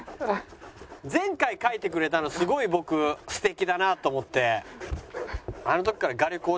前回描いてくれたのすごい僕素敵だなと思って。